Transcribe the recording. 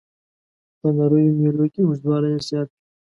په نریو میلو کې اوږدوالی یې زیات وي.